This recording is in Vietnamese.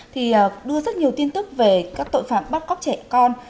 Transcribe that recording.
thì đưa rất nhiều tin tức về các tội phạm bắt cóc trẻ con